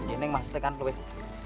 ini yang mesti kan lebih